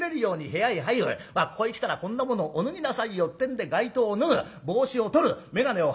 『まあここへ来たらこんなものお脱ぎなさいよ』ってんで外套を脱ぐ帽子を取る眼鏡を外す。